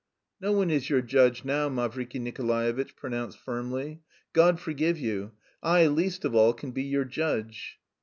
"No one is your judge now," Mavriky Nikolaevitch pronounced firmly. "God forgive you. I least of all can be your judge."